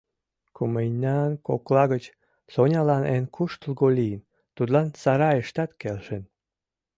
Кумыньнан кокла гыч Сонялан эн куштылго лийын – тудлан сарайыштат келшен.